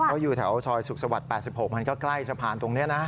เขาอยู่แถวซอยสุขสวรรค์๘๖มันก็ใกล้สะพานตรงนี้นะ